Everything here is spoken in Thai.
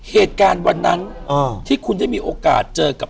เหตุการณ์วันนั้นที่คุณได้มีโอกาสเจอกับ